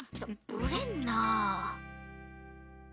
ぶれんな。